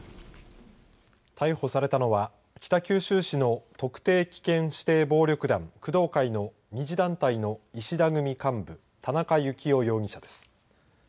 逮捕されたのは北九州市の特定危険指定暴力団工藤会の２次団体の石田組幹部田中幸雄容疑者です。